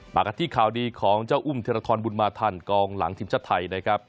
กันที่ข่าวดีของเจ้าอุ้มธิรทรบุญมาทันกองหลังทีมชาติไทยนะครับ